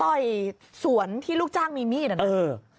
ต่อยสวนที่ลูกจ้างมีมีดอะนะ